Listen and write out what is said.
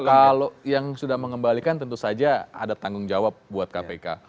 kalau yang sudah mengembalikan tentu saja ada tanggung jawab buat kpk